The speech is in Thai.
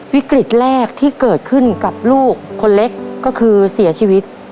วิกฤตแรกที่เกิดขึ้นกับลูกคนเล็กก็คือเสียชีวิต